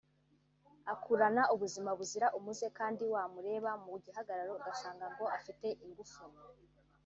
akurana ubuzima buzira umuze kandi wamureba mu gihagararo ugasanga ngo afite ingufu